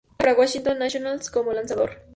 Juega para Washington Nationals como lanzador.